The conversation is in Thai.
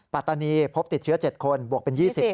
ปัตตานีพบติดเชื้อ๗คนบวกเป็น๒๐คน